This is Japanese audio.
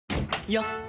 よっ！